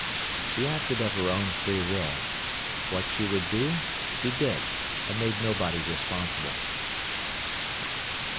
She acted of her own free will. What she would do she did, and made nobody responsible.